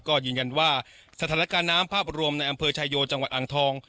ก็ยืนยันว่าสถานการณ์น้ำภาพรวมในอำเภอชายโยจังหวัดอ่างทอง